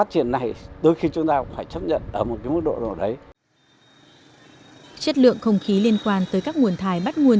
chất lượng không khí liên quan tới các nguồn thải bắt nguồn